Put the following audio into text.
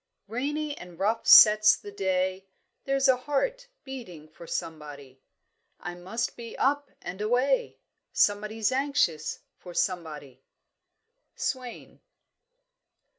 "Rainy and rough sets the day There's a heart beating for somebody; I must be up and away, Somebody's anxious for somebody." SWAIN.